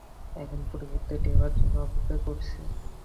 এখন পরবর্তী ঢেউয়ের জন্য অপেক্ষা করছি।